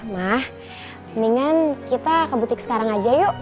nah mendingan kita ke butik sekarang aja yuk